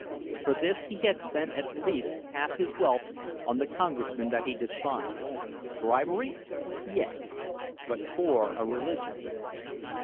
For this he had spent at least half his wealth on the congressmen that he despised. Bribery? Yes. But for a religion.